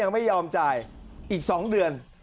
อาทิตย์๒๕อาทิตย์